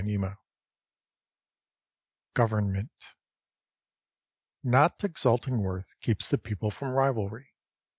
36 GOVERNMENT NOT exalting worth keeps the people from rivalry.